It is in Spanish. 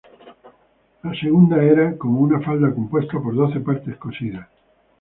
La segunda, era como una falda compuesta por doce partes cosidas.